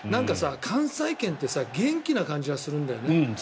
関西圏って元気な感じがするんだよね。